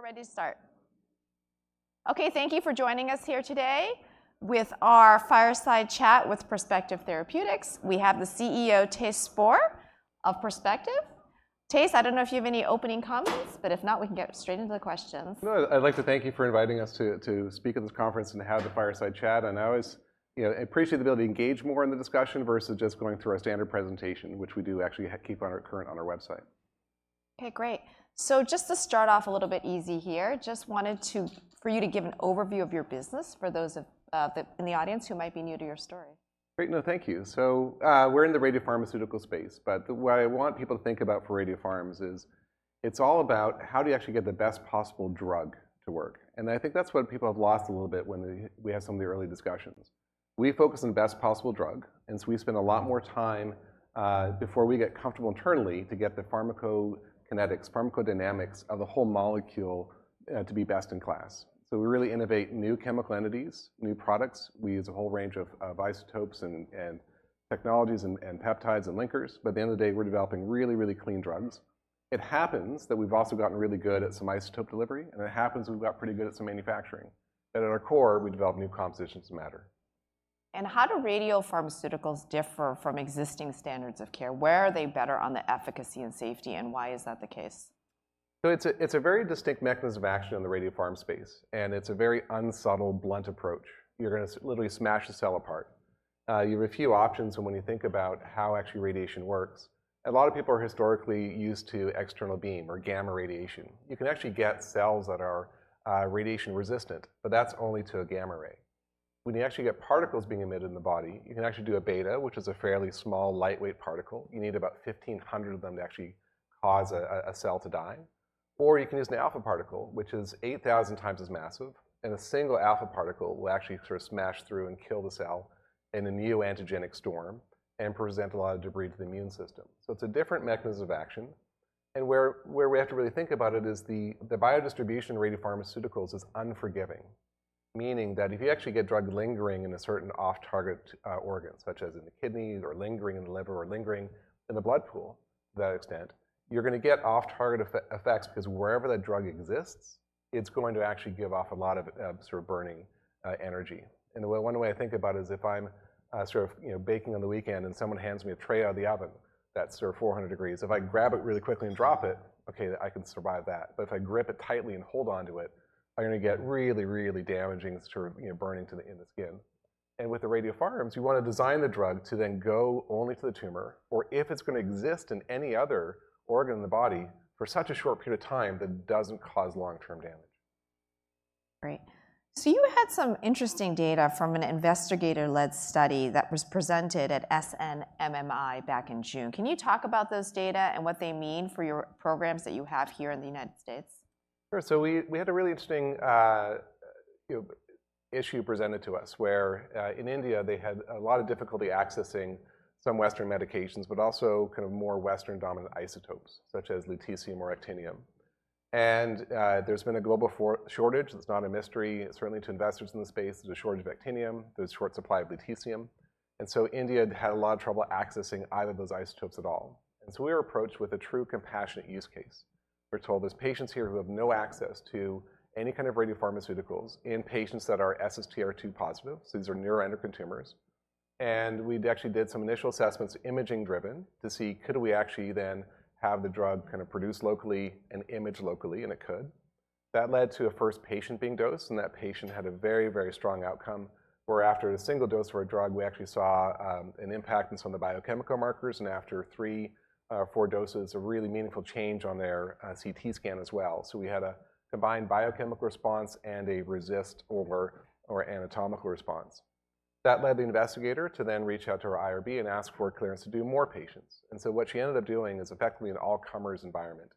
All right, we're ready to start. Okay, thank you for joining us here today with our fireside chat with Perspective Therapeutics. We have the CEO, Thijs Spoor, of Perspective. Thijs, I don't know if you have any opening comments, but if not, we can get straight into the questions. No, I'd like to thank you for inviting us to speak at this conference and have the fireside chat. I always, you know, appreciate the ability to engage more in the discussion versus just going through our standard presentation, which we do actually keep current on our website. Okay, great. So just to start off a little bit easy here, just wanted to, for you to give an overview of your business, for those of, that in the audience who might be new to your story. Great. No, thank you. So, we're in the radiopharmaceutical space, but what I want people to think about for radiopharmaceuticals is it's all about how do you actually get the best possible drug to work? And I think that's what people have lost a little bit when we had some of the early discussions. We focus on the best possible drug, and so we spend a lot more time before we get comfortable internally to get the pharmacokinetics, pharmacodynamics of the whole molecule to be best in class. So we really innovate new chemical entities, new products. We use a whole range of isotopes and technologies and peptides and linkers, but at the end of the day, we're developing really, really clean drugs. It happens that we've also gotten really good at some isotope delivery, and it happens we've got pretty good at some manufacturing. But at our core, we develop new compositions of matter. How do radiopharmaceuticals differ from existing standards of care? Where are they better on the efficacy and safety, and why is that the case? So it's a very distinct mechanism of action on the radiopharm space, and it's a very unsubtle, blunt approach. You're gonna literally smash the cell apart. You have a few options when you think about how actually radiation works. A lot of people are historically used to external beam or gamma radiation. You can actually get cells that are radiation resistant, but that's only to a gamma ray. When you actually get particles being emitted in the body, you can actually do a beta, which is a fairly small, lightweight particle. You need about fifteen hundred of them to actually cause a cell to die, or you can use an alpha particle, which is eight thousand times as massive, and a single alpha particle will actually sort of smash through and kill the cell in a neoantigenic storm and present a lot of debris to the immune system. So it's a different mechanism of action, and where we have to really think about it is the biodistribution radiopharmaceuticals is unforgiving. Meaning that if you actually get drug lingering in a certain off-target organ, such as in the kidneys, or lingering in the liver, or lingering in the blood pool, to that extent, you're gonna get off-target effects, 'cause wherever that drug exists, it's going to actually give off a lot of sort of burning energy. One way I think about it is if I'm sort of, you know, baking on the weekend and someone hands me a tray out of the oven that's sort of 400 degrees, if I grab it really quickly and drop it, okay, I can survive that. But if I grip it tightly and hold on to it, I'm gonna get really, really damaging sort of, you know, burning in the skin. With the radiopharmaceuticals, you wanna design the drug to then go only to the tumor, or if it's gonna exist in any other organ in the body for such a short period of time that it doesn't cause long-term damage. Great. So you had some interesting data from an investigator-led study that was presented at SNMMI back in June. Can you talk about those data and what they mean for your programs that you have here in the United States? Sure. So we had a really interesting, you know, issue presented to us, where in India, they had a lot of difficulty accessing some Western medications, but also kind of more Western-dominant isotopes, such as lutetium or actinium. And there's been a global shortage. It's not a mystery, certainly to investors in the space. There's a shortage of actinium. There's short supply of lutetium, and so India had a lot of trouble accessing either of those isotopes at all. And so we were approached with a true compassionate use case. We're told there's patients here who have no access to any kind of radiopharmaceuticals in patients that are SSTR2 positive, so these are neuroendocrine tumors. And we actually did some initial assessments, imaging driven, to see could we actually then have the drug kind of produced locally and imaged locally, and it could. That led to a first patient being dosed, and that patient had a very, very strong outcome, where after a single dose of our drug, we actually saw an impact in some of the biochemical markers, and after three, four doses, a really meaningful change on their CT scan as well. We had a combined biochemical response and a RECIST or anatomical response. That led the investigator to then reach out to our IRB and ask for clearance to do more patients. What she ended up doing is effectively an all-comers environment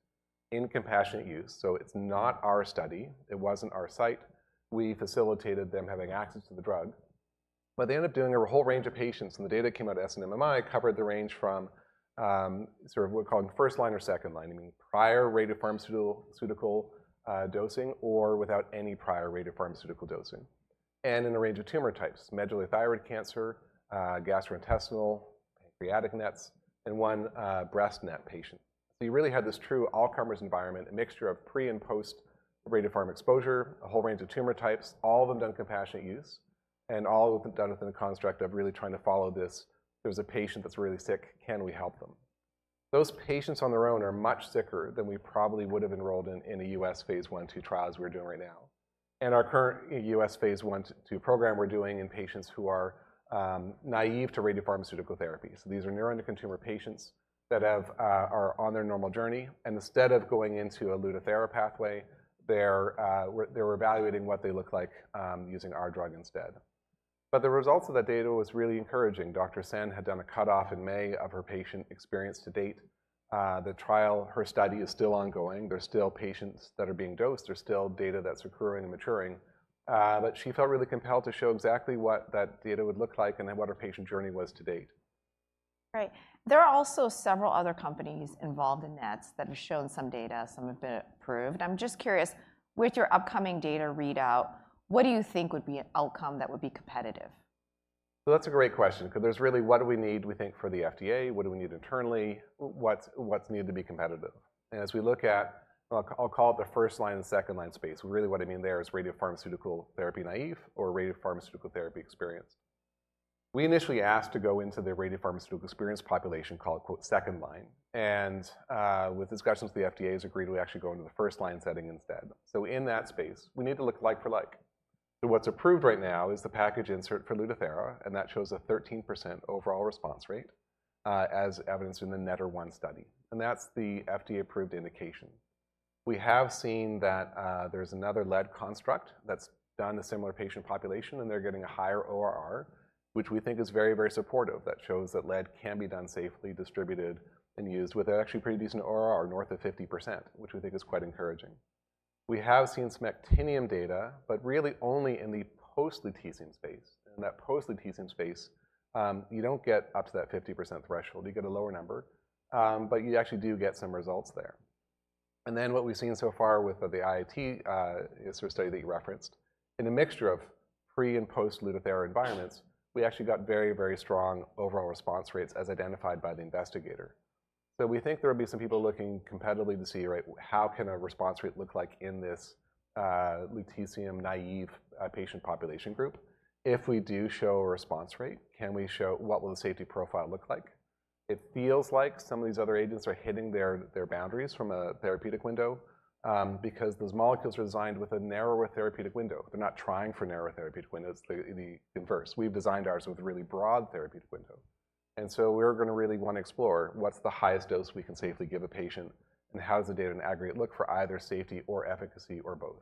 in compassionate use. It's not our study. It wasn't our site. We facilitated them having access to the drug, but they ended up doing a whole range of patients, and the data came out of SNMMI, covered the range from, sort of, we'll call it first line or second line, meaning prior radiopharmaceutical dosing or without any prior radiopharmaceutical dosing, and in a range of tumor types: medullary thyroid cancer, gastrointestinal, pancreatic NETs, and one breast NET patient. So you really had this true all-comers environment, a mixture of pre- and post-radiopharm exposure, a whole range of tumor types, all of them done in compassionate use, and all of them done within the construct of really trying to follow this: there was a patient that's really sick. Can we help them? Those patients on their own are much sicker than we probably would have enrolled in a U.S. phase I/II trial, as we're doing right now. And our current U.S. phase I/II program we're doing in patients who are naive to radiopharmaceutical therapy. So these are neuroendocrine tumor patients that are on their normal journey, and instead of going into a Lutathera pathway, they're evaluating what they look like using our drug instead. But the results of that data was really encouraging. Dr. Sen had done a cutoff in May of her patient experience to date. The trial, her study is still ongoing. There's still patients that are being dosed. There's still data that's accruing and maturing, but she felt really compelled to show exactly what that data would look like and then what her patient journey was to date. Right. There are also several other companies involved in NETs that have shown some data, some have been approved. I'm just curious, with your upcoming data readout, what do you think would be an outcome that would be competitive? So that's a great question, 'cause there's really what do we need, we think, for the FDA? What do we need internally? What's needed to be competitive? And as we look at, I'll call it the first line and second line space, really what I mean there is radiopharmaceutical therapy, naive or radiopharmaceutical therapy experienced. We initially asked to go into the radiopharmaceutical experience population, call it, quote, "second line," and with discussions, the FDA has agreed we actually go into the first line setting instead. So in that space, we need to look like for like. So what's approved right now is the package insert for Lutathera, and that shows a 13% overall response rate, as evidenced in the NETTER-1 study, and that's the FDA-approved indication. We have seen that, there's another lead construct that's done a similar patient population, and they're getting a higher ORR, which we think is very, very supportive. That shows that lead can be done safely, distributed, and used with actually pretty decent ORR, north of 50%, which we think is quite encouraging. We have seen some actinium data, but really only in the post-lutetium space, and that post-lutetium space, you don't get up to that 50% threshold, you get a lower number, but you actually do get some results there, and then what we've seen so far with the IIT is a study that you referenced. In a mixture of pre- and post-lutetium environments, we actually got very, very strong overall response rates as identified by the investigator. So we think there would be some people looking competitively to see, right, how can a response rate look like in this lutetium-naive patient population group? If we do show a response rate, can we show what will the safety profile look like? It feels like some of these other agents are hitting their boundaries from a therapeutic window because those molecules are designed with a narrower therapeutic window. They're not trying for narrow therapeutic windows, the inverse. We've designed ours with a really broad therapeutic window, and so we're gonna really want to explore what's the highest dose we can safely give a patient, and how does the data in aggregate look for either safety or efficacy or both?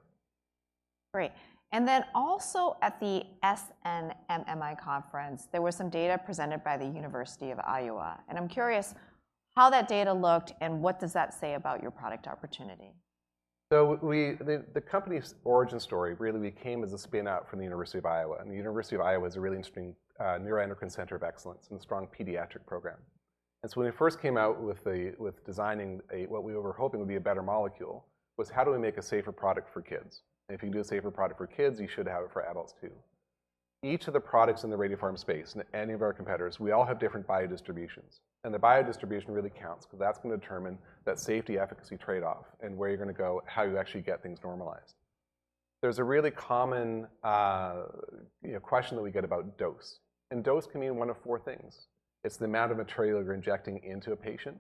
Great! And then also at the SNMMI conference, there were some data presented by the University of Iowa, and I'm curious how that data looked and what does that say about your product opportunity? So the company's origin story really we came as a spin out from the University of Iowa, and the University of Iowa is a really interesting neuroendocrine center of excellence and a strong pediatric program. And so when we first came out with designing a what we were hoping would be a better molecule, was how do we make a safer product for kids? If you do a safer product for kids, you should have it for adults, too. Each of the products in the radiopharm space and any of our competitors, we all have different biodistributions. And the biodistribution really counts 'cause that's gonna determine that safety efficacy trade-off and where you're gonna go, how you actually get things normalized. There's a really common question that we get about dose, and dose can mean one of four things. It's the amount of material you're injecting into a patient,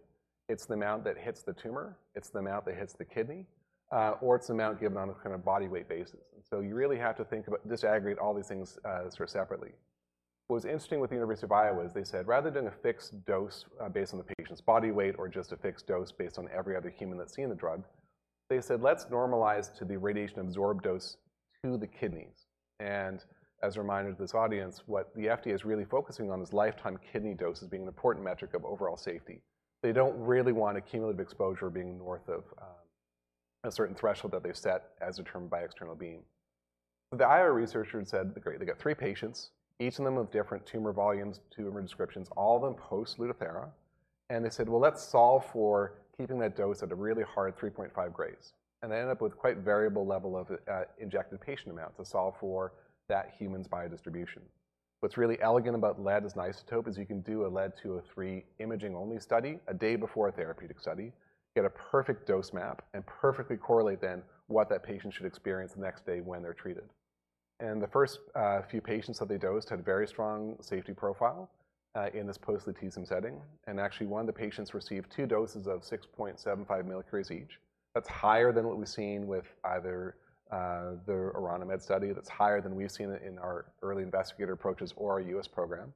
it's the amount that hits the tumor, it's the amount that hits the kidney, or it's the amount given on a kind of body weight basis. So you really have to think about disaggregate all these things, sort of separately. What was interesting with the University of Iowa is they said, rather than a fixed dose, based on the patient's body weight or just a fixed dose based on every other human that's seen the drug, they said, "Let's normalize to the radiation absorbed dose to the kidneys." And as a reminder to this audience, what the FDA is really focusing on is lifetime kidney dose as being an important metric of overall safety. They don't really want cumulative exposure being north of a certain threshold that they've set as determined by external beam. The IO researchers said they got three patients, each of them with different tumor volumes, tumor descriptions, all of them post-lutetium. They said, "Well, let's solve for keeping that dose at a really hard 3.5 grays." They ended up with quite variable level of injected patient amount to solve for that human's biodistribution. What's really elegant about lead as an isotope is you can do a Lead-203 imaging-only study a day before a therapeutic study, get a perfect dose map, and perfectly correlate then what that patient should experience the next day when they're treated. The first few patients that they dosed had a very strong safety profile in this post-lutetium setting, and actually, one of the patients received two doses of 6.75 millicuries each. That's higher than what we've seen with either the Orano Med study. That's higher than we've seen in our early investigator approaches or our U.S. program,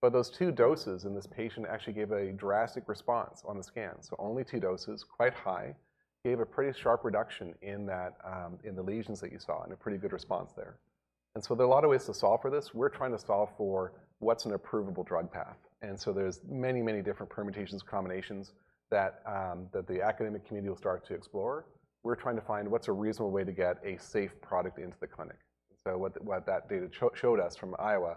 but those two doses in this patient actually gave a drastic response on the scan, so only two doses, quite high, gave a pretty sharp reduction in that in the lesions that you saw and a pretty good response there, and so there are a lot of ways to solve for this. We're trying to solve for what's an approvable drug path, and so there's many, many different permutations, combinations that the academic community will start to explore. We're trying to find what's a reasonable way to get a safe product into the clinic. So what that data showed us from Iowa,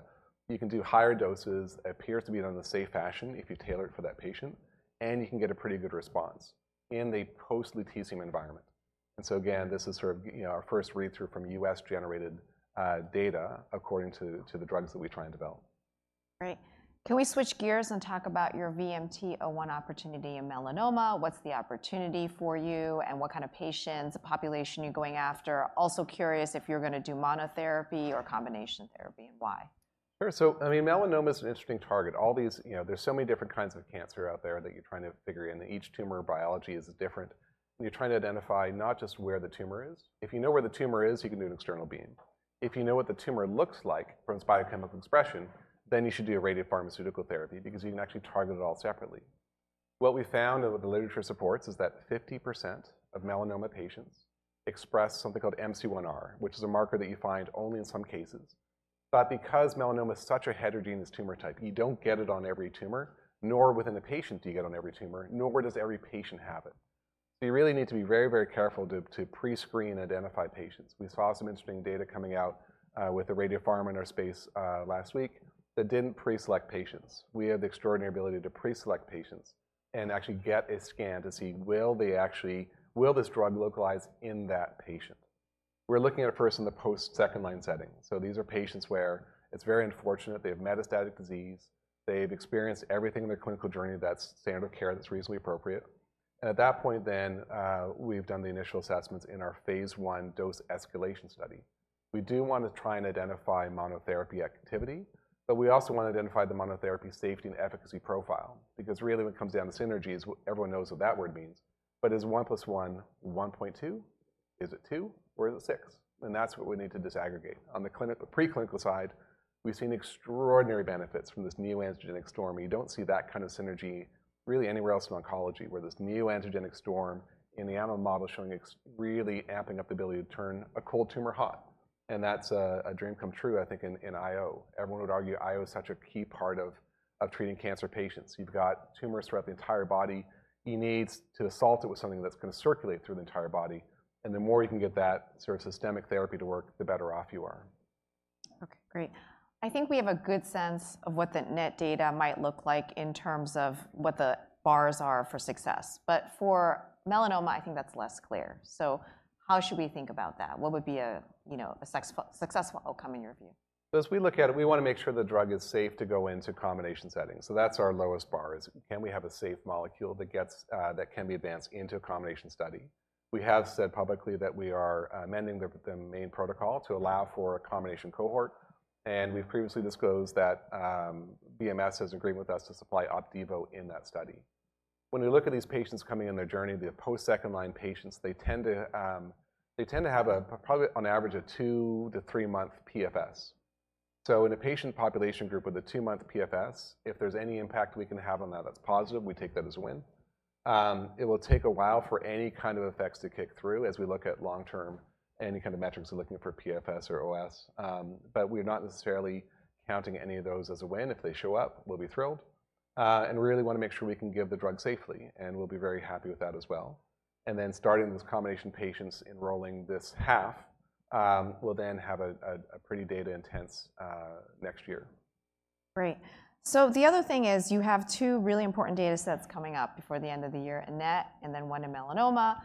you can do higher doses, appears to be done in a safe fashion if you tailor it for that patient, and you can get a pretty good response in the post-lutetium environment. And so again, this is sort of, you know, our first read-through from U.S. generated data according to the drugs that we try and develop. Great! Can we switch gears and talk about your VMT-01 opportunity in melanoma? What's the opportunity for you, and what kind of patients, the population you're going after? Also curious if you're gonna do monotherapy or combination therapy, and why? Sure. So, I mean, melanoma is an interesting target. All these... you know, there's so many different kinds of cancer out there that you're trying to figure, and each tumor biology is different. You're trying to identify not just where the tumor is. If you know where the tumor is, you can do an external beam. If you know what the tumor looks like from its biochemical expression, then you should do a radiopharmaceutical therapy because you can actually target it all separately. What we found and what the literature supports is that 50% of melanoma patients express something called MC1R, which is a marker that you find only in some cases. But because melanoma is such a heterogeneous tumor type, you don't get it on every tumor, nor within the patient do you get on every tumor, nor where does every patient have it. So you really need to be very, very careful to pre-screen and identify patients. We saw some interesting data coming out with the radiopharm in our space last week that didn't pre-select patients. We have the extraordinary ability to pre-select patients and actually get a scan to see, will they actually, will this drug localize in that patient? We're looking at it first in the post second line setting. So these are patients where it's very unfortunate, they have metastatic disease. They've experienced everything in their clinical journey that's standard of care, that's reasonably appropriate, and at that point then we've done the initial assessments in our phase I dose escalation study. We do want to try and identify monotherapy activity, but we also want to identify the monotherapy safety and efficacy profile because really, when it comes down to synergy, everyone knows what that word means. But is one plus one, one point two? Is it two, or is it six? And that's what we need to disaggregate. On the preclinical side, we've seen extraordinary benefits from this neoantigenic storm, and you don't see that kind of synergy really anywhere else in oncology, where this neoantigenic storm in the animal model is showing really amping up the ability to turn a cold tumor hot, and that's a dream come true, I think in IO. Everyone would argue IO is such a key part of treating cancer patients. You've got tumors throughout the entire body. You need to assault it with something that's gonna circulate through the entire body, and the more you can get that sort of systemic therapy to work, the better off you are. Okay, great. I think we have a good sense of what the NET data might look like in terms of what the bars are for success, but for melanoma, I think that's less clear. So how should we think about that? What would be a, you know, a successful outcome in your view? So as we look at it, we wanna make sure the drug is safe to go into combination settings. So that's our lowest bar is: can we have a safe molecule that gets that can be advanced into a combination study? We have said publicly that we are amending the main protocol to allow for a combination cohort, and we've previously disclosed that BMS has agreed with us to supply Opdivo in that study. When we look at these patients coming in their journey, the post-second line patients, they tend to have a probably on average a two- to three-month PFS. So in a patient population group with a two-month PFS, if there's any impact we can have on that, that's positive, we take that as a win. It will take a while for any kind of effects to kick through as we look at long-term, any kind of metrics we're looking for PFS or OS. But we're not necessarily counting any of those as a win. If they show up, we'll be thrilled, and we really wanna make sure we can give the drug safely, and we'll be very happy with that as well. And then starting these combination patients enrolling this half, we'll then have a pretty data intense next year. Great. So the other thing is you have two really important data sets coming up before the end of the year, a NET and then one in melanoma.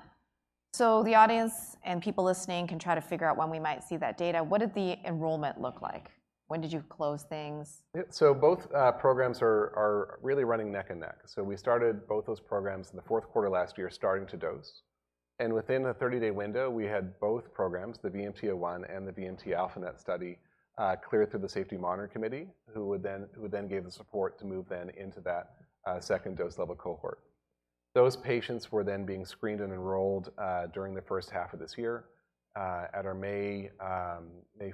So the audience and people listening can try to figure out when we might see that data. What did the enrollment look like? When did you close things? Yeah, so both programs are really running neck and neck. So we started both those programs in the fourth quarter last year, starting to dose, and within a 30-day window, we had both programs, the VMT-01 and the VMT-α-NET study, cleared through the Safety Monitoring Committee, who then gave the support to move then into that second dose level cohort. Those patients were then being screened and enrolled during the first half of this year. At our May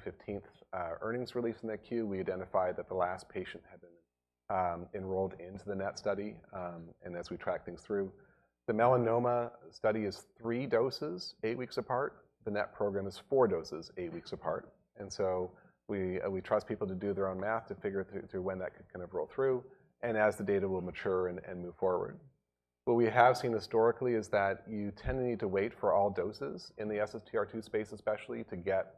fifteenth earnings release in that queue, we identified that the last patient had been enrolled into the NET study. And as we track things through, the melanoma study is three doses, eight weeks apart. The NET program is four doses, eight weeks apart. And so we trust people to do their own math to figure through when that could kind of roll through and as the data will mature and move forward. What we have seen historically is that you tend to need to wait for all doses in the SSTR2 space, especially to get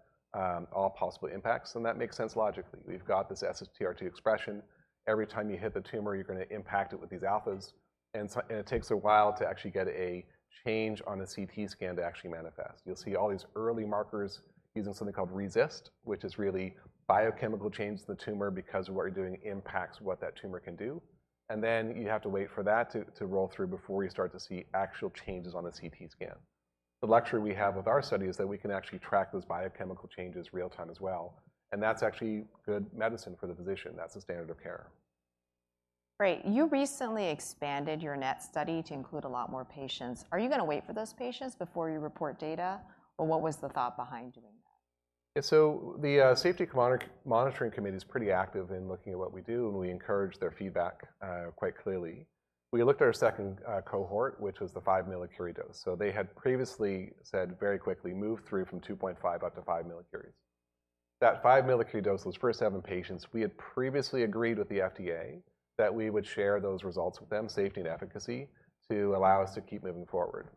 all possible impacts, and that makes sense logically. We've got this SSTR2 expression. Every time you hit the tumor, you're gonna impact it with these alphas, and so it takes a while to actually get a change on a CT scan to actually manifest. You'll see all these early markers using something called RECIST, which is really biochemical change to the tumor because of what you're doing impacts what that tumor can do, and then you have to wait for that to roll through before you start to see actual changes on the CT scan. The luxury we have with our study is that we can actually track those biochemical changes real time as well, and that's actually good medicine for the physician. That's the standard of care. Great. You recently expanded your NET study to include a lot more patients. Are you gonna wait for those patients before you report data, or what was the thought behind doing that? Yeah, so the Safety Monitoring Committee is pretty active in looking at what we do, and we encourage their feedback quite clearly. We looked at our second cohort, which was the five millicurie dose. So they had previously said very quickly, "Move through from two point five up to five millicuries." That five millicurie dose, those first seven patients, we had previously agreed with the FDA that we would share those results with them, safety and efficacy, to allow us to keep moving forward.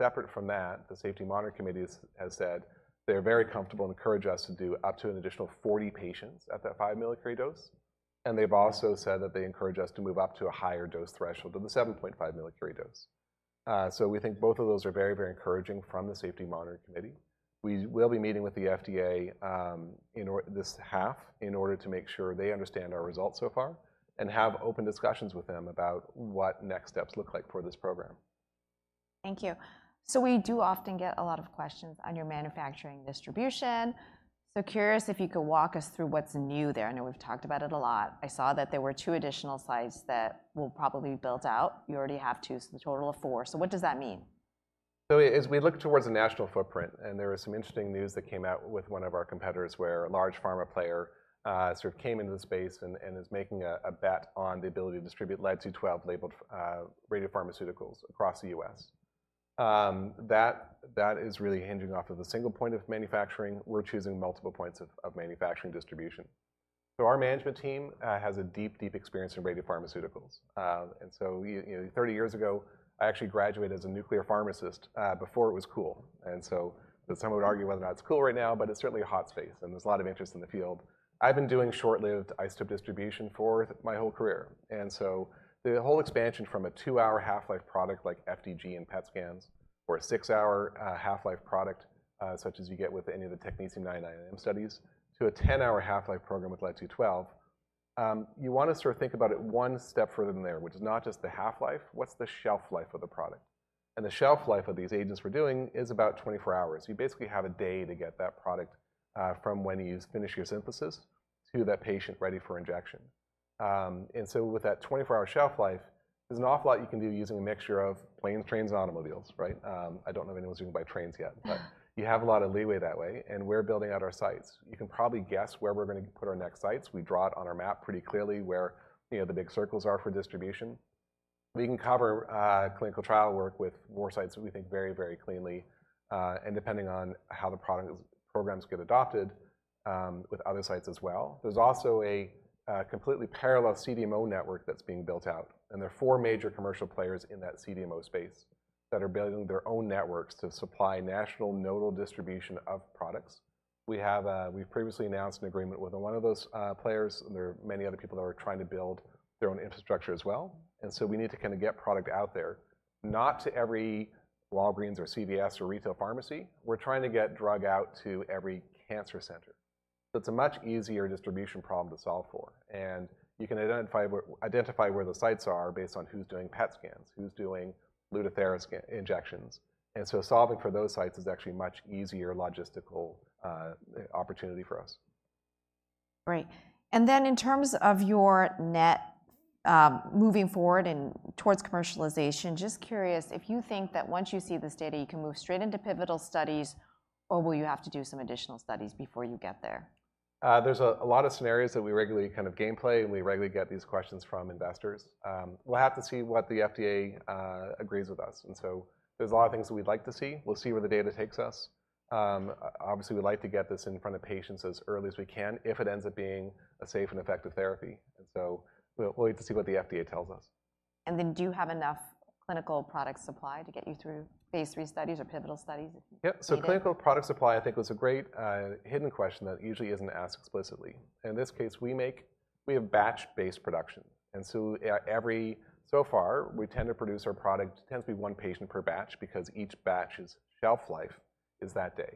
Separate from that, the Safety Monitoring Committee has said they're very comfortable and encourage us to do up to an additional forty patients at that five millicurie dose, and they've also said that they encourage us to move up to a higher dose threshold of the seven point five millicurie dose. So we think both of those are very, very encouraging from the Safety Monitoring Committee. We will be meeting with the FDA, in this half, in order to make sure they understand our results so far and have open discussions with them about what next steps look like for this program. Thank you. So we do often get a lot of questions on your manufacturing distribution. So curious if you could walk us through what's new there. I know we've talked about it a lot. I saw that there were two additional sites that will probably be built out. You already have two, so the total of four. So what does that mean? So as we look toward a national footprint, and there was some interesting news that came out with one of our competitors, where a large pharma player sort of came into the space and is making a bet on the ability to distribute lead-212 labeled radiopharmaceuticals across the U.S. That is really hinging off of the single point of manufacturing. We're choosing multiple points of manufacturing distribution. So our management team has a deep, deep experience in radiopharmaceuticals. And so we... You know, 30 years ago, I actually graduated as a nuclear pharmacist before it was cool. And so, but some would argue whether or not it's cool right now, but it's certainly a hot space, and there's a lot of interest in the field. I've been doing short-lived isotope distribution for my whole career, and so the whole expansion from a two-hour half-life product like FDG and PET scans or a six-hour half-life product such as you get with any of the technetium-99m studies, to a ten-hour half-life program with lead-212, you wanna sort of think about it one step further than there, which is not just the half-life, what's the shelf life of the product? And the shelf life of these agents we're doing is about 24 hours. You basically have a day to get that product from when you finish your synthesis to that patient ready for injection. And so with that 24-hour shelf life, there's an awful lot you can do using a mixture of planes, trains, and automobiles, right? I don't know of anyone who's doing it by trains yet. But you have a lot of leeway that way, and we're building out our sites. You can probably guess where we're gonna put our next sites. We draw it on our map pretty clearly, where, you know, the big circles are for distribution. We can cover clinical trial work with more sites, we think very, very cleanly, and depending on how the product programs get adopted, with other sites as well. There's also a completely parallel CDMO network that's being built out, and there are four major commercial players in that CDMO space, that are building their own networks to supply national nodal distribution of products. We have... We've previously announced an agreement with one of those players, and there are many other people that are trying to build their own infrastructure as well. We need to kinda get product out there, not to every Walgreens or CVS or retail pharmacy. We're trying to get drug out to every cancer center. It's a much easier distribution problem to solve for, and you can identify where the sites are based on who's doing PET scans, who's doing Lutathera injections. Solving for those sites is actually a much easier logistical opportunity for us. Right. And then in terms of your NET, moving forward and towards commercialization, just curious if you think that once you see this data, you can move straight into pivotal studies, or will you have to do some additional studies before you get there? There's a lot of scenarios that we regularly kind of game play, and we regularly get these questions from investors. We'll have to see what the FDA agrees with us, and so there's a lot of things that we'd like to see. We'll see where the data takes us. Obviously, we'd like to get this in front of patients as early as we can, if it ends up being a safe and effective therapy, and so we'll wait to see what the FDA tells us. Do you have enough clinical product supply to get you through phase III studies or pivotal studies? Yep. Okay. Clinical product supply, I think, was a great hidden question that usually isn't asked explicitly. In this case, we have batch-based production, and so far, we tend to produce our product, tends to be one patient per batch, because each batch's shelf life is that day.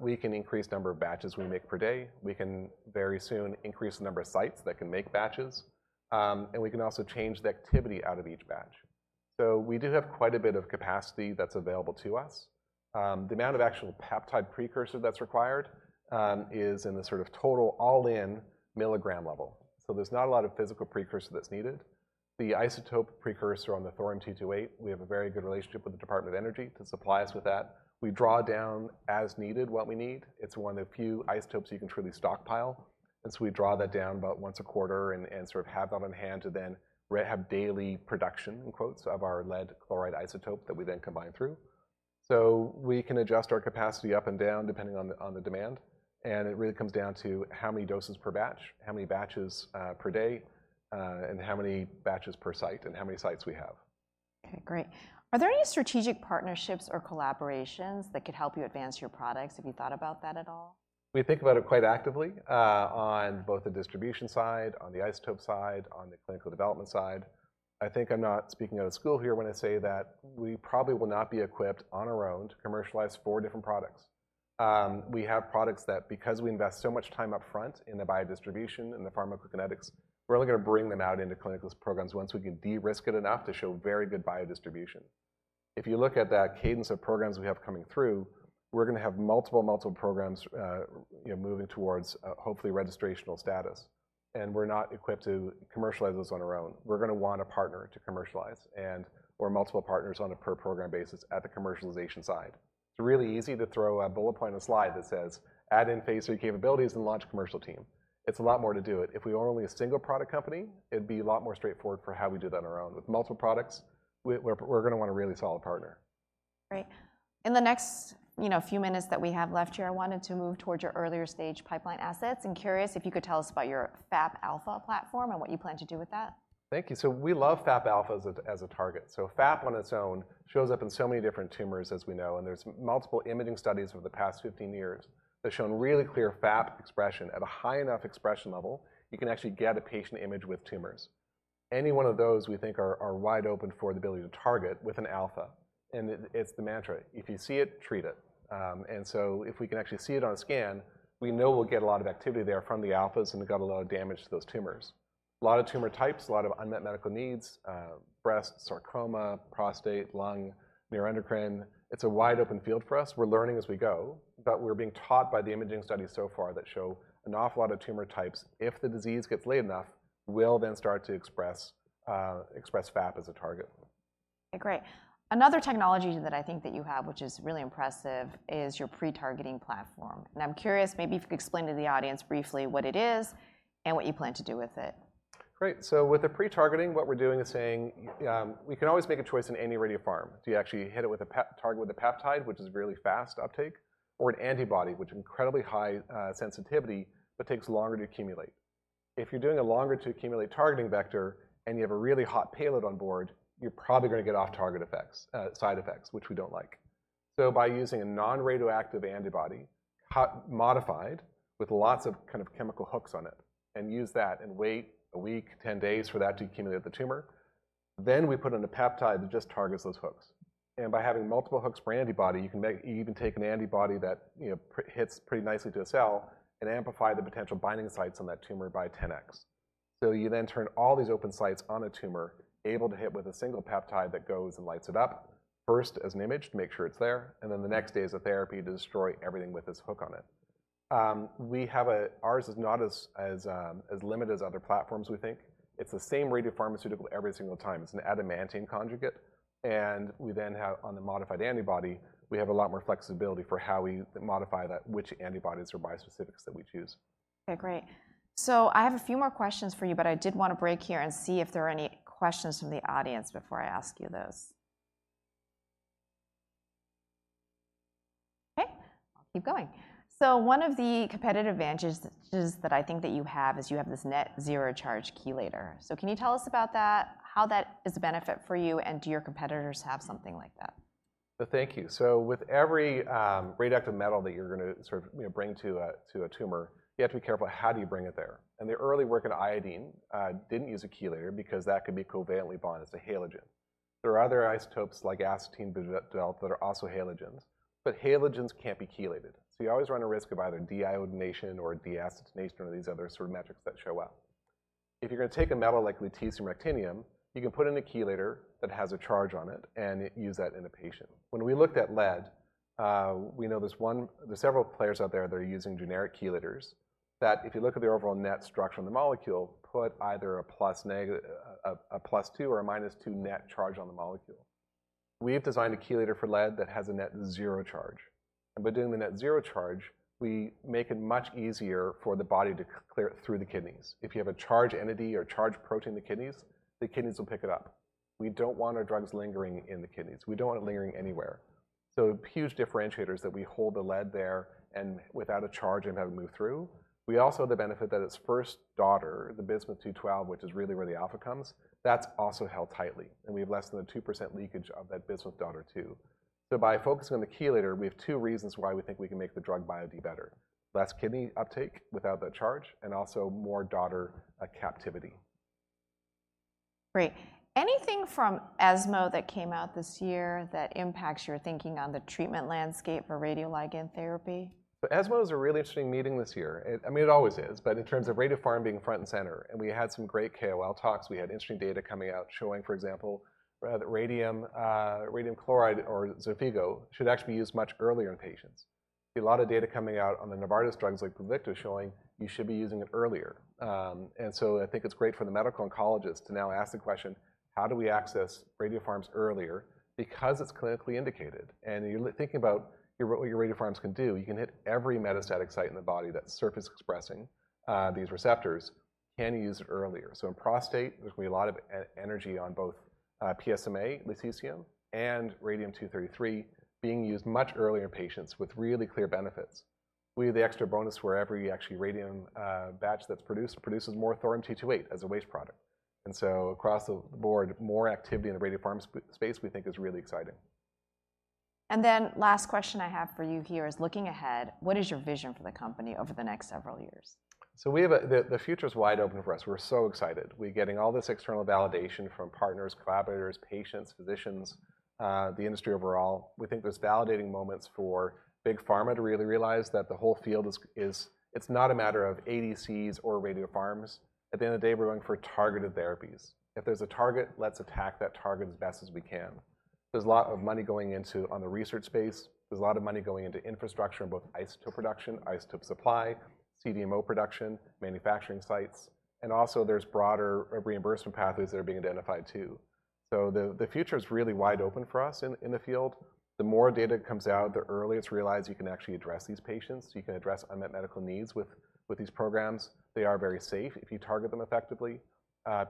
We can increase the number of batches we make per day, we can very soon increase the number of sites that can make batches, and we can also change the activity out of each batch. We do have quite a bit of capacity that's available to us. The amount of actual peptide precursor that's required is in the sort of total all-in milligram level. There's not a lot of physical precursor that's needed. The isotope precursor on the Thorium-228, we have a very good relationship with the Department of Energy to supply us with that. We draw down as needed what we need. It's one of the few isotopes you can truly stockpile, and so we draw that down about once a quarter and, and sort of have that on hand to then have "daily production," in quotes, of our lead chloride isotope that we then combine through. So we can adjust our capacity up and down, depending on the demand, and it really comes down to how many doses per batch, how many batches per day, and how many batches per site, and how many sites we have. Okay, great. Are there any strategic partnerships or collaborations that could help you advance your products? Have you thought about that at all? We think about it quite actively on both the distribution side, on the isotope side, on the clinical development side. I think I'm not speaking out of school here when I say that we probably will not be equipped on our own to commercialize four different products. We have products that, because we invest so much time upfront in the biodistribution and the pharmacokinetics, we're only gonna bring them out into clinical programs once we can de-risk it enough to show very good biodistribution. If you look at that cadence of programs we have coming through, we're gonna have multiple, multiple programs, you know, moving towards hopefully registrational status, and we're not equipped to commercialize this on our own. We're gonna want a partner to commercialize, and we're multiple partners on a per-program basis at the commercialization side. It's really easy to throw a bullet point on a slide that says: Add in phase III capabilities and launch commercial team. It's a lot more to do it. If we were only a single product company, it'd be a lot more straightforward for how we do that on our own. With multiple products, we're gonna want a really solid partner. Great. In the next, you know, few minutes that we have left here, I wanted to move towards your earlier stage pipeline assets. I'm curious if you could tell us about your FAP alpha platform and what you plan to do with that. Thank you. So we love FAP alpha as a target. So FAP on its own shows up in so many different tumors, as we know, and there's multiple imaging studies over the past fifteen years that have shown really clear FAP expression. At a high enough expression level, you can actually get a patient image with tumors. Any one of those we think are wide open for the ability to target with an alpha, and it's the mantra: If you see it, treat it. And so if we can actually see it on a scan, we know we'll get a lot of activity there from the alphas, and we got a lot of damage to those tumors. A lot of tumor types, a lot of unmet medical needs, breast, sarcoma, prostate, lung, neuroendocrine. It's a wide-open field for us. We're learning as we go, but we're being taught by the imaging studies so far that show an awful lot of tumor types, if the disease gets late enough, will then start to express FAP as a target. Great. Another technology that I think that you have, which is really impressive, is your pre-targeting platform. And I'm curious, maybe if you could explain to the audience briefly what it is and what you plan to do with it. Great, so with the pre-targeting, what we're doing is saying, we can always make a choice in any radiopharm. Do you actually hit it with a target with a peptide, which is really fast uptake, or an antibody, which is incredibly high sensitivity, but takes longer to accumulate? If you're doing a longer-to-accumulate targeting vector and you have a really hot payload on board, you're probably gonna get off-target effects, side effects, which we don't like. So by using a non-radioactive antibody, modified with lots of kind of chemical hooks on it, and use that and wait a week, 10 days, for that to accumulate the tumor. Then we put in a peptide that just targets those hooks. By having multiple hooks per antibody, you can make, you can take an antibody that, you know, hits pretty nicely to a cell and amplify the potential binding sites on that tumor by 10X. So you then turn all these open sites on a tumor, able to hit with a single peptide that goes and lights it up, first, as an image to make sure it's there, and then the next day as a therapy to destroy everything with this hook on it. We have ours is not as limited as other platforms, we think. It's the same radiopharmaceutical every single time. It's an adamantane conjugate, and we then have, on the modified antibody, we have a lot more flexibility for how we modify that, which antibodies or bispecifics that we choose. Okay, great. So I have a few more questions for you, but I did want to break here and see if there are any questions from the audience before I ask you those. Okay, I'll keep going. So one of the competitive advantages that I think that you have is you have this net-zero charge chelator. So can you tell us about that, how that is a benefit for you, and do your competitors have something like that? So thank you. With every radioactive metal that you're gonna sort of, you know, bring to a tumor, you have to be careful about how do you bring it there. In the early work in iodine didn't use a chelator because that could be covalently bonded as a halogen. There are other isotopes, like astatine-211, that are also halogens, but halogens can't be chelated, so you always run a risk of either deiodination or deastatination or these other sort of metrics that show up. If you're gonna take a metal like lutetium or actinium, you can put in a chelator that has a charge on it and use that in a patient. When we looked at lead, we know there's one... There are several players out there that are using generic chelators, that if you look at the overall net structure on the molecule, put either a plus two or a minus two net charge on the molecule. We've designed a chelator for lead that has a net zero charge, and by doing the net zero charge, we make it much easier for the body to clear it through the kidneys. If you have a charged entity or charged protein in the kidneys, the kidneys will pick it up. We don't want our drugs lingering in the kidneys. We don't want it lingering anywhere. So huge differentiators that we hold the lead there and without a charge and have it move through. We also have the benefit that its first daughter, the Bismuth-212, which is really where the alpha comes, that's also held tightly, and we have less than 2% leakage of that Bismuth daughter, too. So by focusing on the chelator, we have two reasons why we think we can make the drug biod better: less kidney uptake without that charge and also more daughter captivity. Great. Anything from ESMO that came out this year that impacts your thinking on the treatment landscape for radioligand therapy? ESMO was a really interesting meeting this year. It, I mean, it always is, but in terms of radiopharm being front and center, and we had some great KOL talks. We had interesting data coming out showing, for example, that radium, radium chloride or Xofigo should actually be used much earlier in patients. A lot of data coming out on the Novartis drugs like Pluvicto, showing you should be using it earlier. And so I think it's great for the medical oncologist to now ask the question: How do we access radiopharmaceuticals earlier? Because it's clinically indicated, and you're thinking about your, what your radiopharmaceuticals can do. You can hit every metastatic site in the body that's surface expressing these receptors, can use it earlier. So in prostate, there's gonna be a lot of energy on both, PSMA, lutetium, and Radium-223 being used much earlier in patients with really clear benefits. We have the extra bonus where every actually radium batch that's produced, produces more Thorium-228 as a waste product. And so across the board, more activity in the radiopharm space we think is really exciting. And then last question I have for you here is: looking ahead, what is your vision for the company over the next several years? The future is wide open for us. We're so excited. We're getting all this external validation from partners, collaborators, patients, physicians, the industry overall. We think there's validating moments for big pharma to really realize that the whole field is. It's not a matter of ADCs or radiopharmaceuticals. At the end of the day, we're going for targeted therapies. If there's a target, let's attack that target as best as we can. There's a lot of money going into on the research space, there's a lot of money going into infrastructure in both isotope production, isotope supply, CDMO production, manufacturing sites, and also there's broader reimbursement pathways that are being identified, too. The future is really wide open for us in the field. The more data comes out, the earlier it's realized you can actually address these patients, so you can address unmet medical needs with these programs. They are very safe if you target them effectively.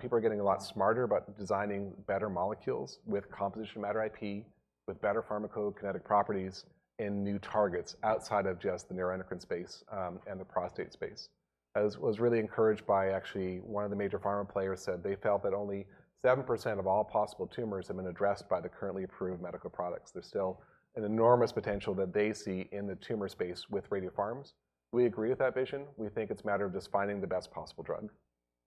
People are getting a lot smarter about designing better molecules with composition of matter IP, with better pharmacokinetic properties in new targets outside of just the neuroendocrine space and the prostate space. I was really encouraged by actually one of the major pharma players said they felt that only 7% of all possible tumors have been addressed by the currently approved medical products. There's still an enormous potential that they see in the tumor space with radiopharmaceuticals. We agree with that vision. We think it's a matter of just finding the best possible drug.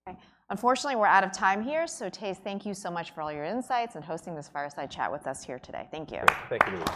Okay. Unfortunately, we're out of time here. So, Thijs, thank you so much for all your insights and hosting this fireside chat with us here today. Thank you. Thank you.